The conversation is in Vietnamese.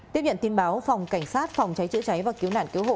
tiếp nhận tin báo phòng cảnh sát phòng cháy chữa cháy và cứu nạn cứu hộ